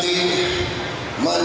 kita akan menyebutnya